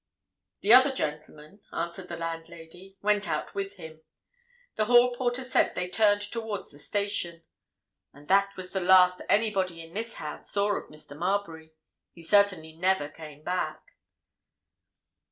"The other gentleman," answered the landlady, "went out with him. The hall porter said they turned towards the station. And that was the last anybody in this house saw of Mr. Marbury. He certainly never came back."